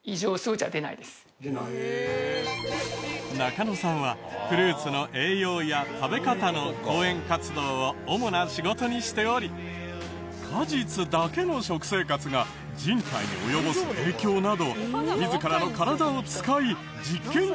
中野さんはフルーツの栄養や食べ方の講演活動を主な仕事にしており果実だけの食生活が人体に及ぼす影響などを自らの体を使い実験中！